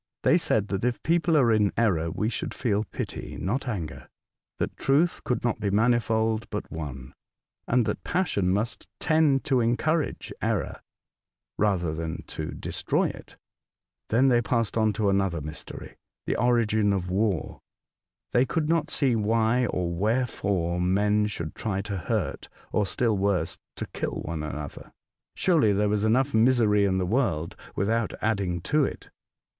They said that if people are in error we should feel pity, not anger ; that truth could not be manifold, but one ; and that passion must tend to encourage error, rather than to destroy it. Then they passed on to another mystery — the origin of war. They could not see why or wherefore men should try to hurt, or, still worse, to kill, one another. Surely there was enough misery in the world without adding to it